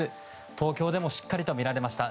東京でもしっかりと見られました。